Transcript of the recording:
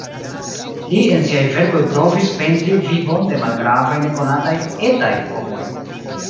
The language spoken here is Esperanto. Li en siaj verkoj provis pentri vivon de malgravaj nekonataj "etaj" homoj.